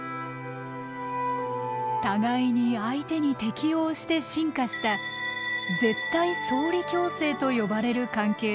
互いに相手に適応して進化した絶対相利共生と呼ばれる関係です。